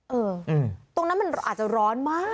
เออตรงนั้นมันอาจจะร้อนมาก